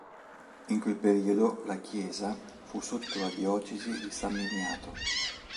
In quel periodo la chiesa fu sotto la Diocesi di San Miniato.